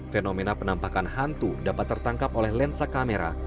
fenomena penampakan hantu dapat tertangkap oleh lensa kamera